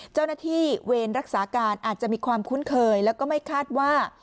เจ้าหน้าที่เวรรักษาการอาจจะมีความคุ้นเคยแล้วก็ไม่คาดว่า